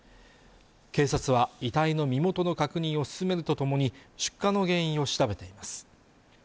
警察は遺体の身元の確認を進めるとともに出火の原因を調べています